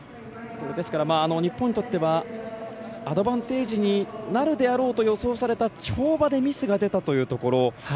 ですから、日本にとってはアドバンテージになるであろうと予想された跳馬でミスが出たというところ。